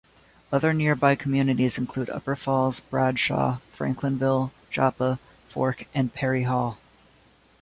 Other nearby communities include Upper Falls, Bradshaw, Franklinville, Joppa, Fork and Perry Hall.